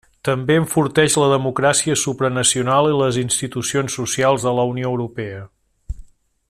També enforteix la democràcia supranacional i les institucions socials de la Unió Europea.